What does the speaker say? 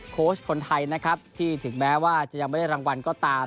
โค้ชคนไทยนะครับที่ถึงแม้ว่าจะยังไม่ได้รางวัลก็ตาม